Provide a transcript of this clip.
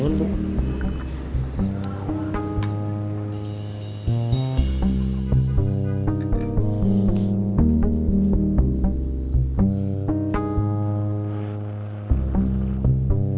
sebentar saya bikinin